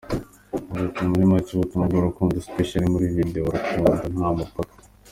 Yagize ati “Muri macye ni ubutumwa bw’urukundo especially muri video urukundo nta mupaka.